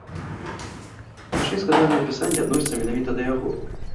Ніжэйзгаданае апісанне адносіцца менавіта да яго.